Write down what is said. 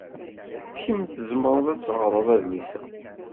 Kemm tzemred ad teɣred adlis-a.